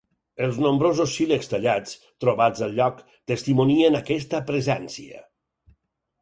Els nombrosos sílexs tallats, trobats al lloc, testimonien aquesta presència.